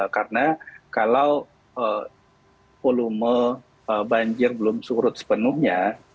karena kalau volume banjir belum surut sepenuhnya